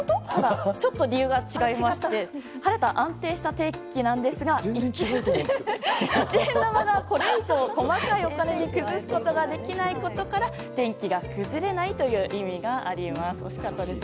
ちょっと理由が違いまして晴れた安定した天気なんですが一円玉がこれ以上細かいお金に崩すことができないことから天気が崩れないという意味があります。